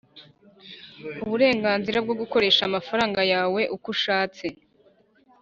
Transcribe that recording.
uburenganzira bwo gukoresha amafaranga yawe uko ushatse